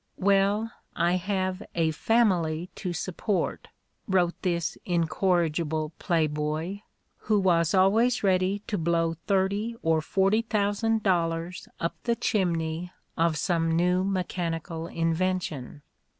Well, "I have a family to support," wrote this incorrigible playboy, who was always ready to blow thirty or forty thousand dollars up the chimney of some new mechanical invention.